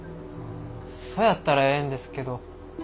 そやったらええんですけど。